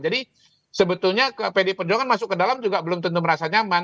jadi sebetulnya pdi perjuangan masuk ke dalam juga belum tentu merasa nyaman